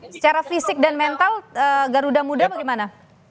secara fisik dan mental garuda muda gimana